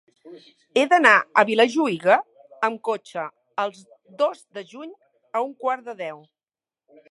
He d'anar a Vilajuïga amb cotxe el dos de juny a un quart de deu.